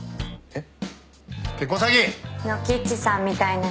えっ？